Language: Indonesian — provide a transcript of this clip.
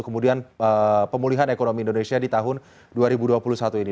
kemudian pemulihan ekonomi indonesia di tahun dua ribu dua puluh satu ini